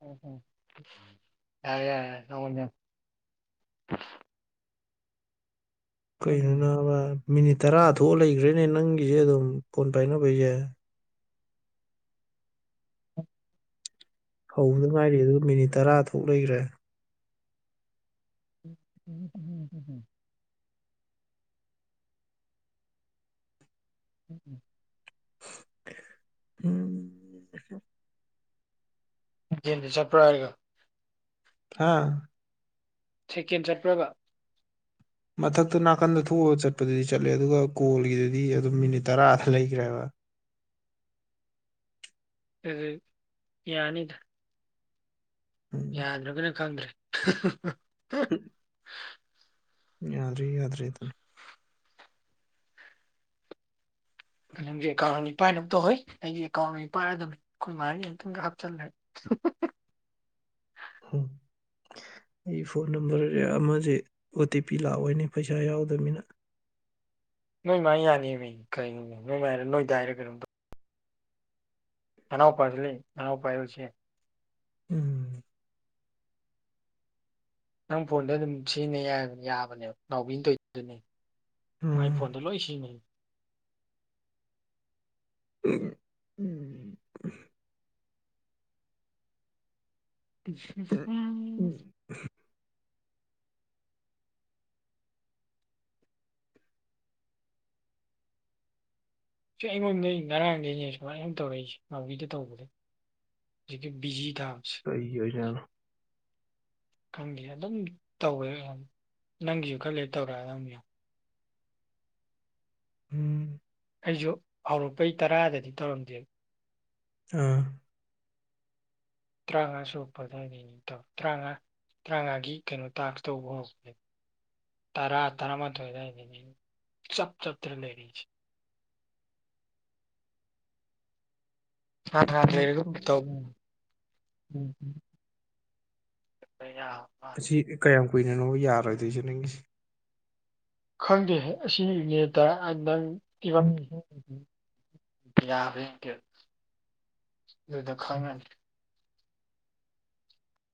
ꯎꯝ ꯎꯝ ꯌꯥꯔꯦ ꯌꯥꯔꯦ ꯅꯪꯉꯣꯟꯗ ꯌꯥꯝ [inaudible] ꯀꯩꯅꯣ ꯅꯥꯕ ꯃꯤꯅꯤꯠ ꯇꯔꯥ ꯊꯣꯛꯑ ꯂꯩꯒ꯭ꯔꯦꯅꯦ ꯅꯪꯒꯤꯖꯦ ꯑꯗꯨꯝ ꯐꯣꯟ ꯄꯥꯏꯅꯕꯩꯖꯦ ꯍꯧꯕꯗ ꯉꯥꯏꯔꯤ ꯑꯗꯨꯒ ꯃꯤꯅꯤꯠ ꯇꯔꯥ ꯊꯣꯛ ꯂꯩꯒ꯭ꯔꯦ [unintelligible] [unintelligible] ꯑꯝ ꯗꯦꯝꯗ ꯆꯠꯄ꯭ꯔꯍꯥꯏꯔꯒ ꯍꯥꯥ ꯁꯦꯀꯦꯟ ꯆꯠꯄ꯭ꯔꯕ ꯃꯊꯛꯇ ꯅꯥꯀꯟꯗ ꯊꯣꯛꯑꯒ ꯆꯠꯄꯗꯨꯗꯤ ꯆꯠꯂꯦ ꯑꯗꯨꯒ ꯀꯣꯜꯒꯤꯗꯨꯗꯤ ꯑꯗꯨꯝ ꯃꯤꯅꯤꯠ ꯇꯔꯥꯗ ꯂꯩꯒ꯭ꯔꯦꯕ [inaudible] ꯑꯗꯨ ꯌꯥꯅꯤꯗ ꯎꯝ ꯌꯥꯗ꯭ꯔꯒꯅ ꯈꯪꯗ꯭ꯔꯦ ꯌꯥꯗ꯭ꯔ ꯌꯥꯗ꯭ꯔꯦꯗꯅ ꯅꯪꯖꯨ ꯑꯦꯀꯥꯎꯟ ꯑꯅꯤ ꯄꯥꯏꯅꯕ ꯇꯧꯍꯩ ꯑꯩꯖꯨ ꯑꯦꯀꯥꯎꯟ ꯑꯅꯤ ꯄꯥꯏꯔꯗꯕꯅꯤ ꯈꯣꯏ ꯃꯥꯒꯤ ꯑꯃꯇꯪꯒ ꯍꯥꯞꯆꯜꯂꯒ ꯎꯝ ꯑꯩ phone number ꯑꯃꯖꯦ O T P ꯂꯥꯛꯑꯣꯏꯅꯦ ꯄꯩꯁꯥ ꯌꯥꯎꯗꯃꯤꯅ ꯅꯣꯏ ꯃꯥ ꯌꯥꯅꯤ ꯃꯤ ꯀꯩꯅꯣ ꯅꯣꯏ ꯃꯥꯏꯔ ꯅꯣꯏ ꯗꯥꯏꯔ ꯀꯩꯅꯣꯝ ꯇꯧ ꯑꯅꯥꯎꯄꯖꯨ ꯂꯩ ꯑꯅꯥꯎꯄꯥꯏ ꯑꯣꯏꯔꯖꯨ ꯌꯥꯏ ꯎꯝ ꯅꯪ ꯐꯣꯟꯗ ꯑꯗꯨꯝ ꯁꯤꯖꯤꯟꯅ ꯌꯥ ꯌꯥꯕꯅꯦ ꯅꯥꯎꯕꯤꯅ ꯇꯣꯏꯗꯨ ꯑꯗꯨꯅꯤ ꯃꯥꯏ ꯎꯝ ꯐꯣꯟꯗꯣ ꯂꯣꯏ ꯁꯤꯖꯤꯟꯅꯩ ꯎꯝ ꯎꯝ ꯁꯤ ꯑꯩꯉꯣꯟꯗꯩ ꯉꯔꯥꯡꯗꯩꯅꯦ ꯁꯨꯃꯥꯏꯅ ꯁꯨꯝ ꯇꯧꯔꯛꯏꯖꯦ ꯅꯥꯎꯕꯤꯗ ꯇꯧꯕꯗꯣ ꯖꯤꯛꯀꯤ ꯕꯤꯖꯤ ꯗ ꯀꯩꯒꯤ ꯑꯣꯏ ꯖꯠꯅꯣ ꯈꯪꯗꯦ ꯑꯗꯨꯝ ꯇꯧꯋꯦ ꯅꯪꯒꯤꯖꯨ ꯈꯔ ꯂꯩꯔ ꯇꯧꯔꯛ ꯑꯗꯝꯅꯦ ꯌꯦꯡꯉꯣ ꯎꯝ ꯑꯩꯖꯨ ꯍꯧꯔꯛꯄꯩ ꯇꯔꯥꯗꯗꯤ ꯇꯧꯔꯝꯗꯦꯕ ꯑꯥ ꯇ꯭ꯔꯥꯉ ꯁꯨꯔꯛꯄ ꯑꯗꯥꯏꯗꯩ ꯑꯗꯨꯝ ꯇꯧ ꯇ꯭ꯔꯥꯉ ꯇꯔꯥꯉꯒꯤ ꯀꯩꯅꯣ ꯇꯥꯛꯁ ꯇꯧꯕ ꯍꯧꯔꯛꯄꯗꯩ ꯇꯔꯥ ꯇꯔꯥ ꯃꯊꯣꯏ ꯑꯗꯥꯏꯗꯩꯅꯦ ꯆꯞ ꯆꯞꯇꯅ ꯂꯩꯔꯤꯖꯦ ꯎꯝ [unintelligible] ꯑꯁꯤ ꯀꯌꯥꯝ ꯀꯨꯏꯅꯅꯣꯕ ꯌꯥꯔꯣꯏꯗꯣꯏꯖꯦ ꯅꯪꯒꯤꯖꯤ ꯈꯪꯗꯦ ꯑꯁꯤ ꯃꯤꯅꯤꯠ ꯇꯔꯥꯗꯪ ꯄꯤꯕꯝ ꯌꯥꯕ ꯌꯦꯡꯀꯦ [inaudible] ꯑꯗꯨꯗ ꯈꯥꯡꯉꯅꯤ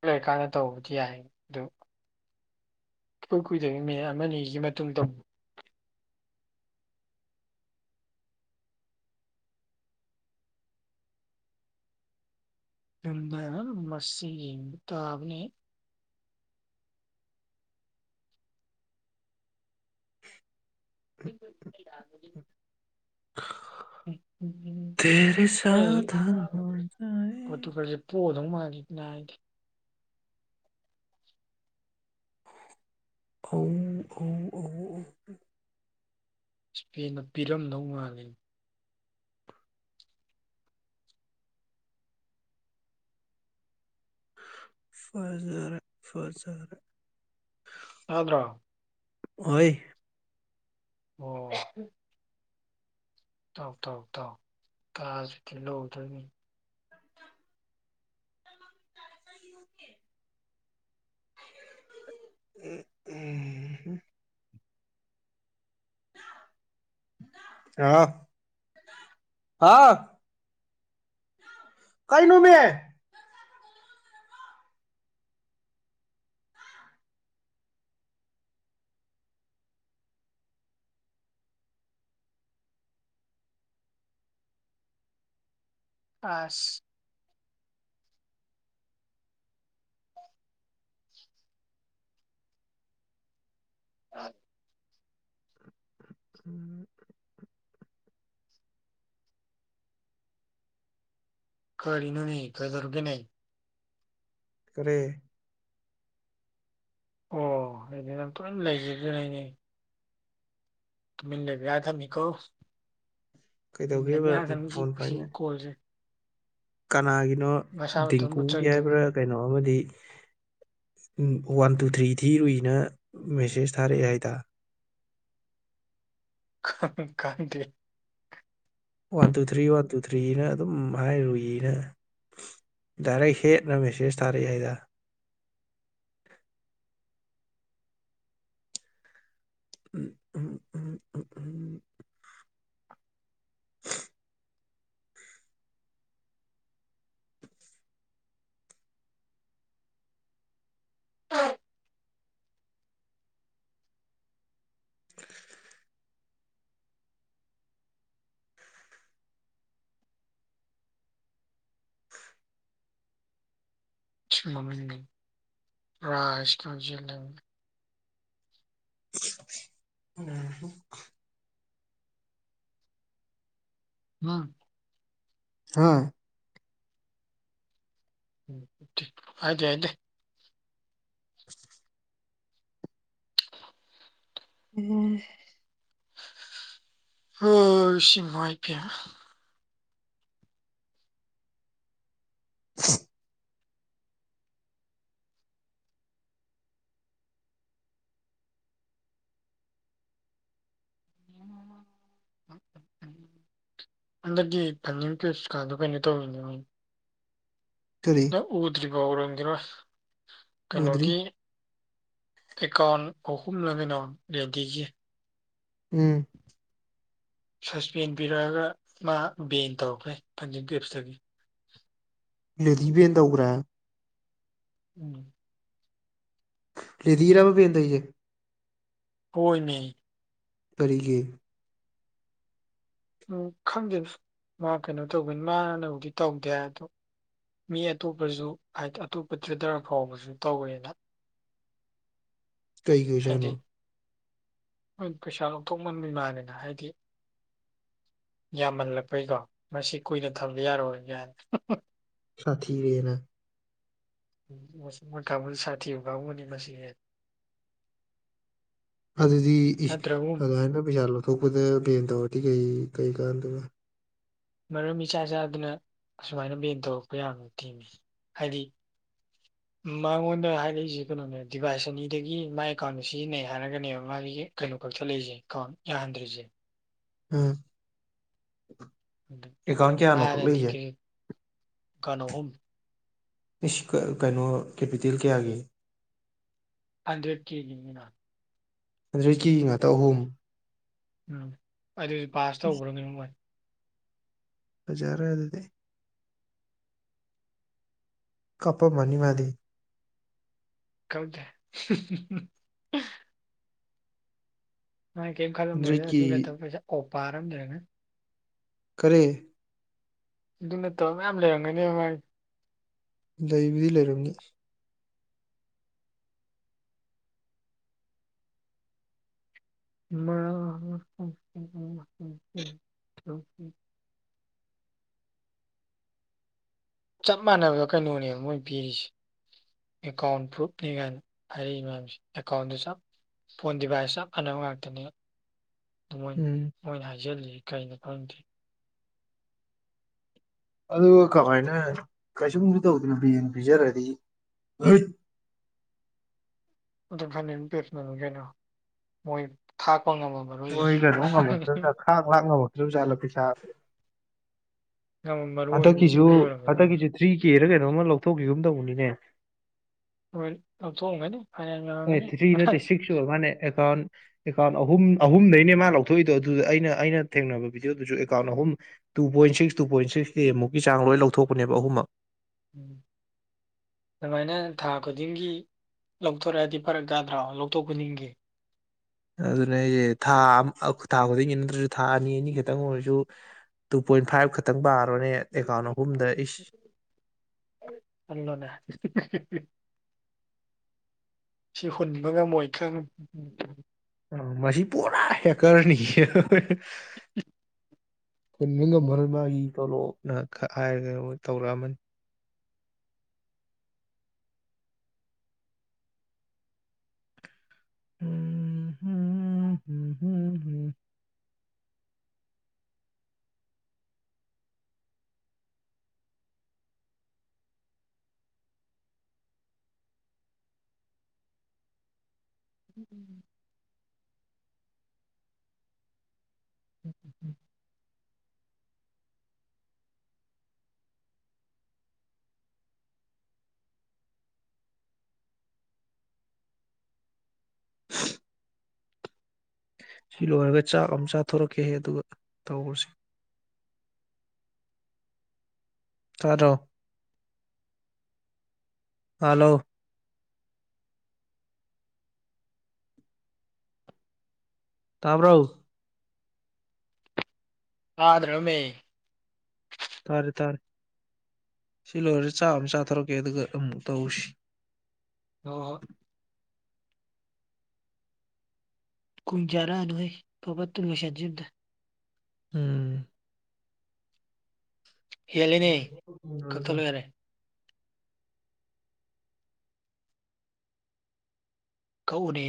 ꯂꯣꯏꯔꯀꯥꯟꯗ ꯇꯧꯕꯗꯤ ꯌꯥꯏ ꯑꯗꯨ ꯏꯀꯨꯏ ꯀꯨꯏꯗꯕꯤ ꯃꯤꯅꯤꯠ ꯑꯃ ꯑꯅꯤꯒꯤ ꯃꯇꯨꯡ ꯇꯧ [unintelligible] ꯃꯁꯤꯒꯤ ꯃꯇꯥꯕꯅꯦ [unintelligible] [unintelligible] ꯇꯦꯔꯦ ꯍꯣꯏ ꯁꯥꯙꯊ ꯍꯣꯖꯥꯏꯌꯦ ꯅꯥꯏꯗꯦ ꯑꯧ ꯑꯧ ꯑꯧ ꯑꯧ ꯁ꯭ꯄꯦꯟꯗ ꯄꯤꯔꯝꯗꯧ ꯃꯥꯜꯂꯤ ꯐꯖꯔ ꯐꯖꯔ ꯇꯥꯗ꯭ꯔꯣ ꯑꯣꯏ ꯑꯣ ꯇꯥꯎ ꯇꯥꯎ ꯇꯥꯎ ꯀꯥꯥꯁ ꯀꯤꯍꯗꯣꯏꯅꯤ ꯎ ꯎꯝ ꯍꯝ ꯍꯥꯎ ꯗꯥꯗꯥꯎ ꯍꯥꯎ ꯀꯩꯅꯣꯃꯦ ꯑꯥꯁ [unintelligible] ꯀꯔꯤꯅꯣꯅꯦ ꯀꯩꯗꯧꯔꯒꯦꯅꯦ ꯀ꯭ꯔꯦ ꯑꯣ ꯏꯅ ꯄꯨ ꯃꯤꯂꯥꯏꯖꯒꯅꯦ ꯇꯨꯃꯤꯟ ꯂꯩꯕ ꯌꯥꯗ ꯕꯅꯤ ꯀꯣ ꯀꯩꯗꯧꯒꯦꯕ ꯂꯩ ꯊꯃꯤ ꯐꯣꯟ ꯁꯤꯁꯤ ꯄꯥꯏꯅ ꯀꯣꯜꯁꯦ ꯀꯅꯥꯒꯤꯅꯣ ꯃꯁꯥ ꯃꯇꯣꯝ ꯗꯤꯡꯀꯨꯒꯤ ꯃꯨꯠꯆꯈꯤꯗꯣꯏꯅꯤ ꯍꯥꯏꯕ꯭ꯔꯥ ꯀꯩꯅꯣ ꯑꯃꯗꯤ ꯎꯝ ꯋꯥꯟ ꯇꯨ ꯊ꯭ꯔꯤ ꯊꯤꯔꯨꯏꯅ ꯃꯦꯁꯦꯁ ꯊꯥꯔꯛꯑꯦ ꯍꯥꯏꯗ [unintelligible] ꯈꯪ ꯈꯪꯗꯦ one two three one two ꯊ꯭ꯔꯤꯅ ꯑꯗꯨꯝ ꯍꯥꯏꯔꯨꯏꯅ ꯗꯥꯏꯔꯦꯛ ꯍꯦꯠꯅ ꯃꯦꯁꯦꯖ ꯊꯥꯔꯛꯑꯦ ꯍꯥꯏꯗ ꯎꯝ ꯎꯝ ꯎꯝ ꯎꯝ ꯎꯝ [inaudible] [unintelligible] ꯎꯝꯍꯝ ꯎꯝ ꯑꯥ ꯊꯤ ꯍꯥꯏꯗꯦ ꯍꯥꯏꯗꯦ [inaudible] ꯎꯝ ꯍꯣꯢꯁ ꯏꯃꯥꯏ ꯄꯦꯃꯥ [inaudible] [unintelligible] ꯍꯟꯗꯛꯀꯤ ꯐꯅꯤꯡ ꯀꯁꯀꯥꯗꯣ ꯀꯩꯅꯣ ꯇꯧꯔꯤꯅꯦ ꯅꯪ ꯎꯗ꯭ꯔꯤꯕꯣ ꯎꯔꯝꯒꯤꯔꯣꯏ ꯀꯩꯅꯣꯒꯤ ꯑꯦꯀꯥꯎꯟ ꯑꯍꯨꯝꯂ ꯀꯧꯅꯣ ꯑꯦꯗꯤꯒꯤ ꯎꯝ ꯁꯁꯄꯦꯟ ꯄꯤꯔꯛꯑꯒ ꯃꯥ ꯕꯦꯟ ꯇꯧꯈ꯭ꯔꯦ ꯐꯟꯗꯤꯡ ꯄꯤꯞꯁꯇꯒꯤ [inaudible] ꯑꯦꯗꯤ ꯕꯦꯟ ꯇꯧꯈ꯭ꯔꯦ ꯎꯝ ꯂꯦꯗꯤꯔꯥꯕ ꯕꯦꯟ ꯇꯩꯖꯦ ꯍꯣꯏ ꯃꯤ ꯀꯔꯤꯒꯤ ꯎꯝ ꯈꯪꯗꯦꯗ ꯃꯥ ꯀꯩꯅꯣ ꯇꯧꯕꯩꯅꯤ ꯃꯥꯅꯕꯨꯗꯤ ꯇꯧꯗꯦ ꯍꯥꯏ ꯑꯗꯣ ꯃꯤ ꯑꯇꯣꯞꯄꯁꯨ ꯍꯥꯏ ꯑꯇꯣꯞꯄ ꯇ꯭ꯔꯦꯗꯔ ꯑꯐꯥꯎꯕꯁꯨ ꯇꯧꯋꯦꯅ ꯀꯩꯒꯤ ꯍꯥꯏꯗꯤ ꯑꯣꯏꯖꯥꯠꯅꯣ ꯄꯩꯁꯥ ꯂꯧꯊꯣꯛꯃꯟꯕꯩ ꯃꯥꯜꯂꯦꯅ ꯍꯥꯏꯗꯤ ꯌꯥꯝꯃꯜꯂꯛꯄꯩꯀꯣ ꯃꯁꯤ ꯀꯨꯏꯅ ꯊꯝꯕ ꯌꯥꯔꯣꯏ ꯀꯥꯏꯅ ꯁꯥꯊꯤꯔꯦꯅ ꯃꯣꯏ ꯀꯥꯡꯕꯨꯁꯤ ꯁꯥꯊꯤꯕ ꯀꯥꯡꯕꯨꯅꯤ ꯃꯁꯤꯌꯦꯅ ꯑꯗꯨꯗꯤ ꯏꯁ ꯑꯗꯋꯥꯏꯅ ꯄꯩꯁꯥ ꯂꯧꯊꯣꯛꯄꯗ ꯕꯦꯟ ꯇꯧꯔꯗꯤ ꯀꯩ ꯀꯩ ꯀꯥꯟꯗꯣꯏꯕ ꯃꯔꯝ ꯏꯆꯥ ꯏꯆꯥꯗꯅ ꯑꯁꯨꯃꯥꯏꯅ ꯕꯦꯟ ꯇꯧꯔꯛꯄ ꯌꯥꯕ ꯅꯠꯇꯦꯃꯤ ꯍꯥꯏꯗꯤ [inaudible] ꯃꯉꯣꯟꯗ ꯍꯥꯏꯔꯛꯏꯁꯦ ꯀꯩꯅꯣꯅꯦ ꯗꯤꯚꯥꯏꯁ ꯑꯅꯤꯗꯒꯤ ꯃꯥꯥꯏ ꯑꯦꯀꯥꯎꯟꯗ ꯁꯤꯖꯤꯟꯅꯩ ꯍꯥꯏꯔꯒꯅꯦꯕ ꯃꯥꯒꯤ ꯀꯩꯅꯣ ꯀꯛꯊꯠꯂꯛꯏꯁꯦ ꯑꯦꯀꯥꯎꯟ ꯌꯥꯍꯟꯗ꯭ꯔꯤꯁꯦ ꯎꯝ ꯑꯦꯀꯥꯎꯟ ꯀꯌꯥꯅꯣ ꯃꯥꯅꯗꯤ ꯀꯛꯂꯛꯏꯁꯦ ꯀꯩ ꯑꯦꯀꯥꯎꯟ ꯑꯍꯨꯝ ꯏꯁ ꯀꯥ ꯀꯩꯅꯣ ꯀꯦꯄꯤꯇꯦꯜ ꯀꯌꯥꯒꯤ ꯍꯟꯗ꯭ꯔꯦꯠ ꯀꯦ ꯒꯤꯅꯤꯅꯥ ꯍꯟꯗ꯭ꯔꯦꯠ ꯀꯦꯒꯤ ꯉꯥꯛꯇ ꯑꯍꯨꯝ ꯎꯝ ꯑꯗꯨꯖꯨ ꯄꯥꯁ ꯏꯁ ꯇꯧꯒ꯭ꯔꯕꯅꯦ ꯃꯣꯏ ꯐꯖꯔꯦ ꯑꯗꯨꯗꯤ ꯀꯞꯄꯝꯃꯅꯤ ꯃꯗꯤ ꯈꯪꯗꯦ ꯃꯥ ꯀꯩꯝ ꯈꯜꯂꯝꯃꯣꯏꯗ ꯍꯟꯗ꯭ꯔꯦꯠꯀꯤ ꯑꯗꯨ ꯅꯠꯇꯕ ꯄꯩꯁꯥ ꯑꯣꯄꯥꯔ ꯑꯃ ꯂꯩꯔꯝꯒꯅꯤ ꯀꯔꯤ ꯑꯗꯨ ꯅꯠꯇꯕ ꯃꯌꯥꯝ ꯂꯩꯔꯝꯒꯅꯦꯕ ꯃꯥꯒꯤ ꯂꯩꯕꯨꯗꯤ ꯂꯩꯔꯝꯅꯤ [unintelligible] ꯆꯞ ꯃꯥꯟꯅꯕꯗ ꯀꯩꯅꯣꯅꯦꯕ ꯃꯣꯏ ꯄꯤꯔꯤꯁꯦ ꯑꯦꯀꯥꯎꯟ ꯄ꯭ꯔꯨꯞꯅꯦ ꯀꯥꯏꯅ ꯍꯥꯏꯔꯛꯏ ꯃꯌꯥꯝꯁꯤ ꯑꯦꯀꯥꯎꯟꯗꯨ ꯆꯞ ꯐꯣꯟ ꯗꯤꯚꯥꯏꯁ ꯆꯞ ꯃꯥꯅꯕ ꯉꯥꯛꯇꯅꯤꯕ ꯎꯝ ꯃꯣꯏꯅ ꯍꯥꯏꯖꯤꯜꯂꯤꯁꯤ ꯀꯩꯅꯣ ꯈꯪꯗꯦ ꯑꯗꯨꯒ ꯀꯃꯥꯏꯅ ꯀꯩꯁꯨꯝꯁꯨ ꯇꯧꯗꯅ ꯕꯦꯟ ꯄꯤꯖꯔꯗꯤ [unintelligible] ꯍꯣꯏ ꯀꯩꯅꯣ ꯉꯝꯃꯛꯇꯗꯅ ꯈꯥꯡ ꯂꯥꯛ ꯉꯝꯃꯛꯇꯔ꯭ꯖꯥꯠꯂ ꯄꯩꯁꯥꯁꯦ ꯉꯝꯃꯝꯃꯔꯣꯏ ꯃꯤꯗꯨꯒꯤ ꯑꯣꯏꯔꯝꯒꯅꯤ ꯍꯟꯗꯛꯀꯤꯁꯨ ꯊ꯭ꯔꯤ ꯀꯦꯔ ꯀꯩꯅꯣ ꯀꯩꯅꯣꯝꯅ ꯂꯧꯊꯣꯛꯈꯤꯒꯨꯝ ꯇꯧꯕꯅꯤꯅꯦ ꯍꯣꯏ ꯂꯧꯊꯣꯛꯑꯝꯒꯅꯤ ꯐꯅꯌꯥꯝ ꯑꯦ ꯌꯝꯃꯝꯒꯅꯤ ꯊ꯭ꯔꯤ ꯅꯠꯇꯦ ꯁꯤꯛꯁ ꯑꯣꯏꯔ ꯃꯥꯅꯦ ꯑꯦꯀꯥꯎꯟ ꯑꯍꯨꯝ ꯑꯍꯨꯝꯗꯩꯅꯦ ꯃꯥ ꯂꯧꯊꯣꯛꯏꯗꯣ ꯑꯗꯨꯗ ꯑꯩꯅ ꯑꯩꯅ ꯊꯦꯡꯅꯕ ꯕꯤꯗꯤꯑꯣꯗꯨꯁꯨ ꯑꯦꯀꯥꯎꯟ ꯑꯍꯨꯝ two point six two point six six ꯀꯦ ꯃꯨꯛꯀꯤ ꯆꯥꯡ ꯂꯣꯏ ꯂꯧꯊꯣꯛꯄꯅꯦꯕ ꯑꯍꯨꯝꯃꯛ ꯎꯝ ꯑꯗꯨꯃꯥꯏꯅ ꯊꯥ ꯈꯨꯗꯤꯡꯒꯤ ꯂꯧꯊꯣꯔꯛꯑꯗꯤ ꯐꯔꯛ ꯇꯗ꯭ꯔꯣ ꯂꯧꯊꯣꯛ ꯈꯨꯗꯤꯡꯒꯤ ꯑꯗꯨꯅꯦ ꯍꯥꯏꯁꯦ ꯊꯥ ꯊꯥ ꯈꯨꯗꯤꯡꯒꯤ ꯅꯠꯇ꯭ꯔꯁꯨ ꯊꯥ ꯑꯅꯤ ꯑꯅꯤ ꯈꯇꯪ ꯑꯣꯏꯔꯁꯨ ꯇꯨ ꯄꯣꯏꯟ ꯐꯥꯏꯚ ꯈꯇꯪ ꯈꯜꯂꯣꯅꯦ ꯁꯤ ꯍꯨꯟꯕ ꯉꯝꯃꯣꯏꯗ꯭ꯔ ꯑ ꯃꯁꯤ ꯄꯨꯔꯥ ꯍꯦꯀꯔꯅꯤ ꯍꯦ ꯍꯥ ꯍꯥ [inaudible] ꯍꯨꯟꯕ ꯉꯝꯃꯔꯣꯏ ꯃꯥꯒꯤ ꯇꯣꯂꯣꯞꯅ ꯈꯛ ꯍꯥꯏꯔꯒ ꯇꯧꯔꯛꯑꯃꯅꯤ ꯎꯝ ꯍꯨꯝ ꯍꯨꯝ ꯍꯨꯝ ꯎ ꯎꯝ [inaudible] [unintelligible] ꯁꯤ ꯂꯣꯏꯔꯒ ꯆꯥꯛ ꯑꯝ ꯆꯥꯊꯣꯔꯛꯀꯦꯍꯦ ꯑꯗꯨꯒ ꯇꯧꯔꯁꯤ ꯇꯗ꯭ꯔꯣ ꯍꯜꯂꯣ ꯇꯥꯕ꯭ꯔꯣ ꯇꯥꯗ꯭ꯔꯥꯃꯦ ꯇꯥꯔꯦ ꯇꯥꯔꯦ ꯁꯤꯂꯣꯏꯔ ꯆꯥꯛ ꯑꯝ ꯆꯥꯊꯣꯔꯛꯀꯦ ꯑꯗꯨꯒ ꯑꯃꯨꯛ ꯇꯧꯁꯤ ꯍꯣ ꯍꯣꯏ ꯀꯨꯝ ꯖꯔꯥꯗ ꯂꯩ ꯐꯕꯠ ꯂꯣꯏꯁꯤꯟꯖꯤ ꯑꯝꯇ ꯎꯝ ꯍꯦꯜꯂꯦꯅꯦ ꯂꯣꯏ ꯀꯛꯊꯠ ꯂꯣꯏ ꯂꯣ ꯌꯥꯔꯦ ꯀꯛ ꯑꯣꯅꯦ